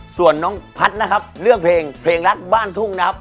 ส่วนน้องพัฒน์นะครับเลือกเพลงเพลงรักบ้านทุ่งนะครับ